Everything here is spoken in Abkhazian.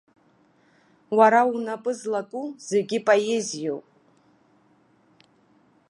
Уара унапы злаку зегьы поезиоуп.